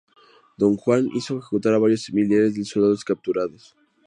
Don Juan hizo ejecutar a varios millares de soldados capturados.